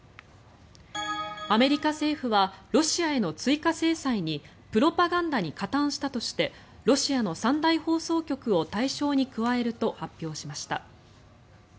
アメリカ政府はロシアへの追加制裁にプロパガンダに加担したとしてロシアの三大放送局を対象に加えると発表しました。